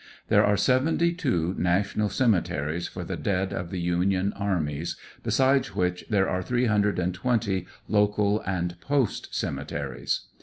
There are seventy two National Cemeteries for the dead of the Union armies., besides which there are 320 local and Post cemeteries.